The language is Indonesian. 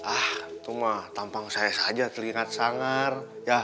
ah tuh mah tampang saya saja telingat sangar